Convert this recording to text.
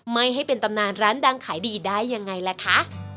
ไม่ให้เป็นตำนานร้านดังขายดีได้ยังไงล่ะคะ